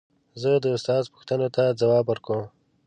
زه د استاد پوښتنو ته ځواب ورکوم.